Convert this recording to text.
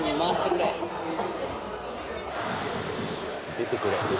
出てくれ。